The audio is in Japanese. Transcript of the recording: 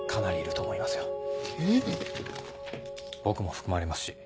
僕も含まれますし。